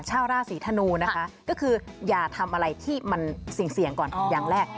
ชาวราศีธนูนะคะก็คืออย่าทำอะไรที่มันเสี่ยงก่อนอย่างแรก